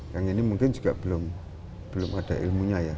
yang ini mungkin juga belum ada ilmunya ya